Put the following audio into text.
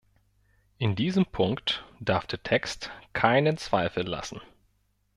In diesem Punkt darf der Text keinen Zweifel lassen.